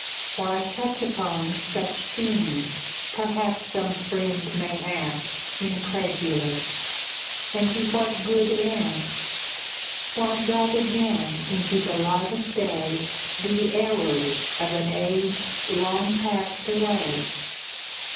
"Why touch upon such themes?" perhaps some friend May ask, incredulous; "and to what good end? Why drag again into the light of day The errors of an age long passed away?"